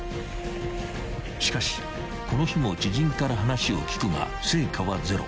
［しかしこの日も知人から話を聞くが成果はゼロ］